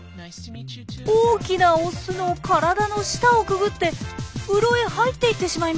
大きなオスの体の下をくぐって洞へ入っていってしまいました。